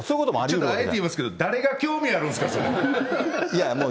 ちょっとあえて言いますけど、誰が興味あるんですか、それ。